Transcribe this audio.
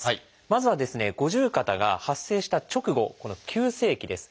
まずはですね五十肩が発生した直後この「急性期」です。